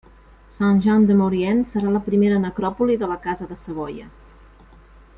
Saint-Jean-de-Maurienne serà la primera necròpoli de la casa de Savoia.